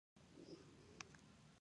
后又独立。